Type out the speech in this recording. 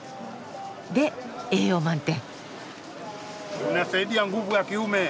で栄養満点。